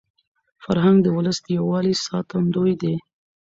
فرهنګ د ولس د یووالي ساتندوی دی.